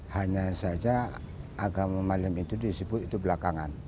hanya saja agama malim itu disebut itu belakangan